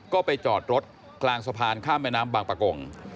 ก็ไปจอดรถกลางสะพานข้ามแม่น้ำบางประกง